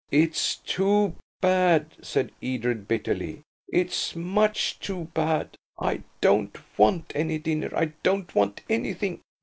"It's too bad," said Edred bitterly; "it's much too bad. I don't want any dinner; I don't want anything.